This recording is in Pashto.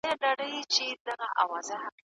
زموږ پر درد یې ګاونډي دي خندولي